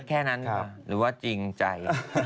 แค่นั้นหรือว่าจริงใจ